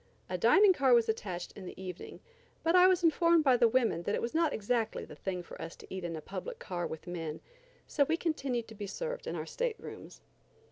A dining car was attached in the evening but I was informed by the women that it was not exactly the thing for us to eat in a public car with men, so we continued to be served in our state rooms.